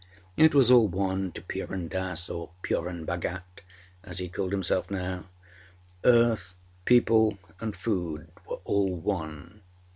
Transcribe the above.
It was all one to Purun Dass or Purun Bhagat, as he called himself now. Earth, people, and food were all one.